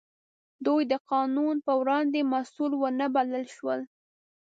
دوی د قانون په وړاندې مسوول ونه بلل شول.